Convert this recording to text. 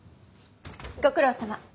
ご苦労さま。